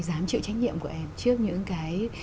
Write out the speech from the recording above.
dám chịu trách nhiệm của em trước những cái